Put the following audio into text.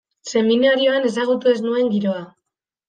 Seminarioan ezagutu ez nuen giroa.